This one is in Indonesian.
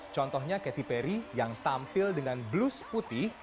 contohnya katy perry yang tampil dengan blues putih